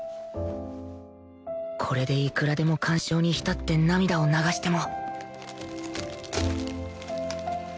これでいくらでも感傷に浸って涙を流しても